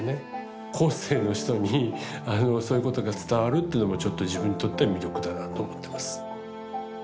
後世の人にそういうことが伝わるっていうのもちょっと自分にとっては魅力だなと思ってます。